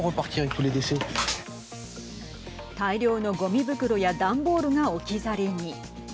大量のごみ袋や段ボールが置き去りに。